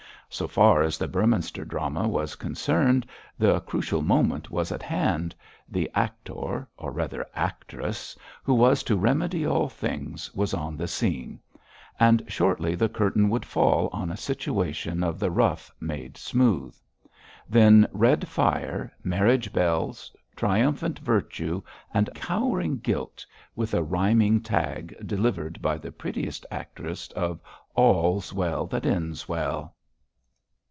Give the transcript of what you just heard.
So far as the Beorminster drama was concerned, the crucial moment was at hand, the actor or rather actress who was to remedy all things was on the scene, and shortly the curtain would fall on a situation of the rough made smooth. Then red fire, marriage bells, triumphant virtue and cowering guilt, with a rhyming tag, delivered by the prettiest actress, of 'All's well that ends well!'